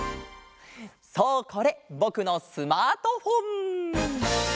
そうこれぼくのスマートフォン！